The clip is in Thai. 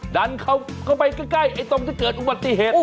ดันเข้าไปใกล้ตรงที่เกิดอุบัติเหตุ